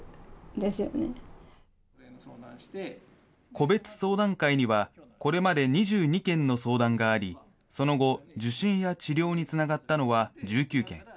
個別相談会には、これまで２２件の相談があり、その後、受診や治療につながったのは１９件。